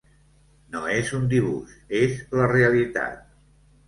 No és un dibuix, és la realitat.